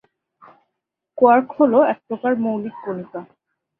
Quark হলো একপ্রকার মৌলিক কণিকা।